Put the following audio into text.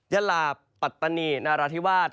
ยาลาปัตตานีนาราธิวาส